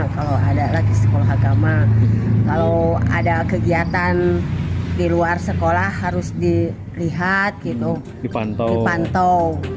kalau ada lagi sekolah agama kalau ada kegiatan di luar sekolah harus dilihat dipantau